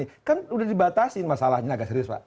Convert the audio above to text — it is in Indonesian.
ini kan udah dibatasi masalahnya agak serius pak